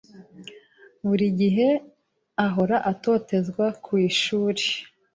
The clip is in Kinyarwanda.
Buri gihe ahora atotezwa ku ishuri.